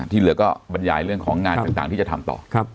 ที่เหลือก็บรรยายเรื่องของงานต่างที่จะทำต่อ